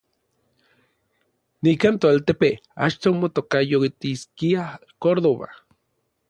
Nikan toaltepe achto motokayotiskia Córdoba.